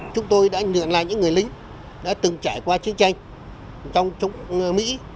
chúng tôi đã nhận lại những người lính đã từng trải qua chiến tranh chống mỹ